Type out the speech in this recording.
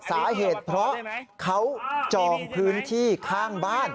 สาเหตุเพราะเขาจองพื้นที่ข้างบ้าน